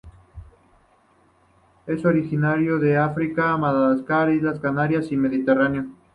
Es originario de África, Madagascar, Islas Canarias y Mediterráneo.